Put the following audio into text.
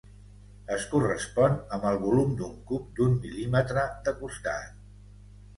Es correspon amb el volum d'un cub d'un mil·límetre de costat.